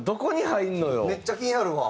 めっちゃ気になるわ。